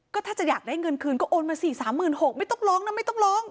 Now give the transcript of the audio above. ก็ถ้าจะอยากได้เงินคืนก็โอนมา๔๓๖๐๐ไม่ต้องร้องนะไม่ต้องร้อง